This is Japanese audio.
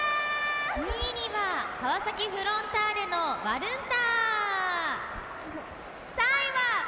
２位には川崎フロンターレのワルンタ。